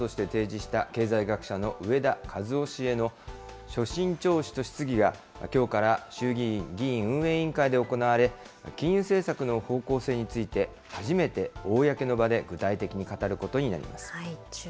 日銀の黒田総裁の後任に政府が候補者として提示した経済学者の植田和男氏への所信聴取と質疑がきょうから衆議院議院運営委員会で行われ、金融政策の方向性について、初めて公の場で具体的に語ることになります。